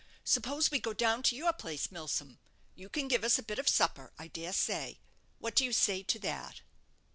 Suppose we go down to your place, Milsom! you can give us a bit of supper, I dare say. What do you say to that?"